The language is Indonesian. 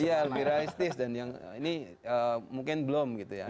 iya lebih realistis dan yang ini mungkin belum gitu ya